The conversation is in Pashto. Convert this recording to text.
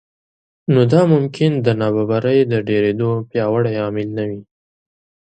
نو دا ممکن د نابرابرۍ د ډېرېدو پیاوړی عامل نه وي